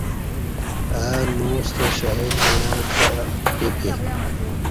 اہ نوستہ شہید مڑہ کں پیپی